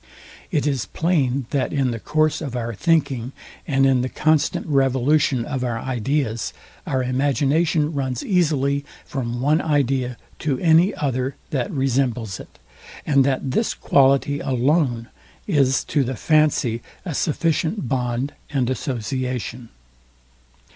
It is plain, that in the course of our thinking, and in the constant revolution of our ideas, our imagination runs easily from one idea to any other that resembles it, and that this quality alone is to the fancy a sufficient bond and association.